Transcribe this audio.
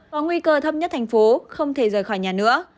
có nguy cơ thấp nhất thành phố không thể rời khỏi nhà nữa